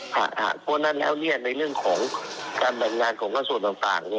เพราะฉะนั้นแล้วในเรื่องของการแบ่งงานของกระทรวงต่าง